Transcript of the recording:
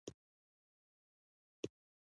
نورو فلمونو لګښتونو ته په کتو دومره ډېر نه ګڼل کېږي